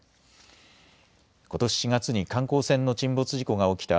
ことし４月に観光船の沈没事故が起きた